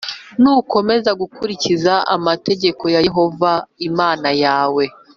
Nukomeza gukurikiza amategeko ya Yehova Imana yawe